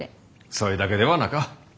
そいだけではなか。